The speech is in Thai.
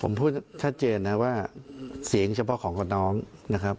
ผมพูดชัดเจนนะว่าเสียงเฉพาะของกับน้องนะครับ